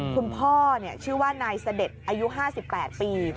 คุมพ่อเนี่ยชื่อว่านายเสด็จอายุ๕๘ปี